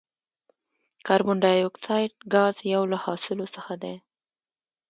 کاربن ډای اکساید ګاز یو له حاصلو څخه دی.